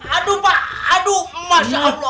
aduh pak aduh masya allah